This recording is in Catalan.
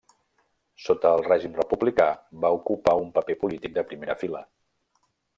Sota el règim republicà, va ocupar un paper polític de primera fila.